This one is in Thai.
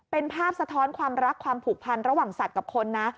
เป็นภาพสะท้อนความรักความผูกพันระหว่างสัตว์กับคนนะ